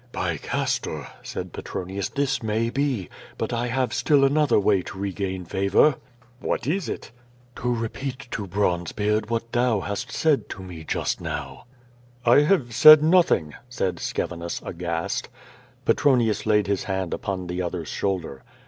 "By Castor!" said Petronius, "this may be. But I have still another way to regain favor." 'TVhat is it?" "To repeat to Bronzebeard what thou hast said to me just now.'* Uf ^yO 0^0 VADJ8. *^I have said nothing/' said Scevinns^ aghast. Petronius laid his hand upon the other's shoulder.